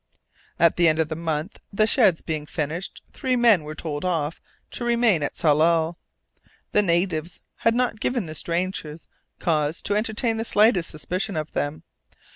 At the end of a month, the sheds being finished, three men were told off to remain at Tsalal. The natives had not given the strangers cause to entertain the slightest suspicion of them.